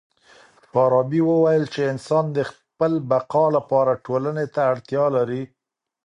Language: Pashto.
فارابي وويل چي انسان د خپل بقا لپاره ټولني ته اړتيا لري.